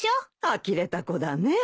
あきれた子だね。